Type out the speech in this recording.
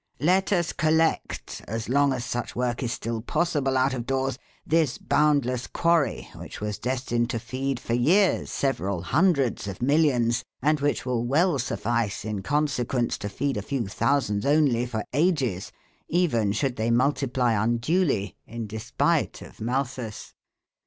Let us collect, as long as such work is still possible out of doors, this boundless quarry which was destined to feed for years several hundreds of millions, and which will well suffice, in consequence, to feed a few thousands only for ages, even should they multiply unduly, in despite of Malthus.